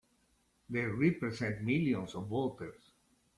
They represent millions of voters!